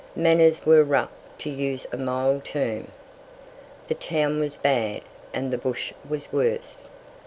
Manners were rough, to use a mild term. The town was bad, and the bush was worse.